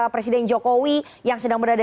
presiden jokowi yang sedang berada